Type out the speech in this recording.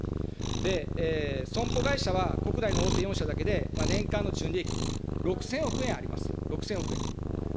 で、損保会社は国内の大手４社だけで、年間の純利益、６０００億円ありますよ、６０００億円。